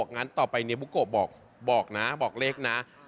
กลับไปแล้วบุ๊กโกบอกแล้วบอกเลขนะ